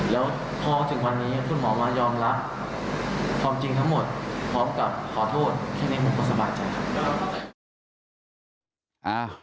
แล้วพอถึงวันนี้คุณหมอมายอมรับความจริงทั้งหมดพร้อมกับขอโทษแค่นี้มันก็สบายใจครับ